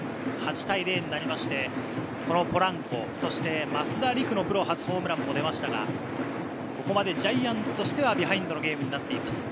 ８対０となってポランコ、増田陸のプロ初ホームランも出ましたが、ここまでジャイアンツとしてはビハインドのゲームとなっています